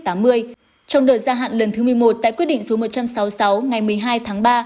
trong đợt gia hạn lần thứ một mươi một tại quyết định số một trăm sáu mươi sáu ngày một mươi hai tháng ba